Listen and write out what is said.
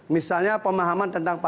misalnya pemahaman tentang pasal enam belas